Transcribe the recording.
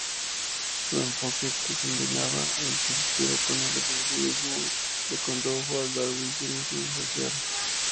Su enfoque —que combinaba el positivismo con el evolucionismo— le condujo al darwinismo social.